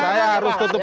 saya harus tutup